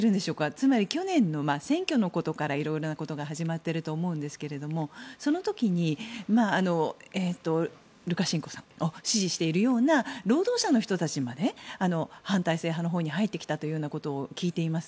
つまり、去年の選挙のことからいろいろなことが始まっていると思いますがその時にルカシェンコさんを支持しているような労働者の人たちまで反体制派のほうに入ってきたということを聞いています。